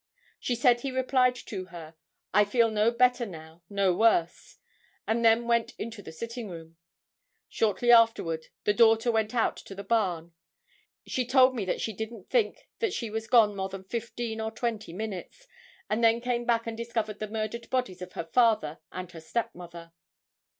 She said he replied to her, 'I feel no better now, no worse,' and then went into the sitting room. Shortly afterward the daughter went out to the barn. She told me that she didn't think that she was gone more than fifteen or twenty minutes, and then came back and discovered the murdered bodies of her father and her step mother.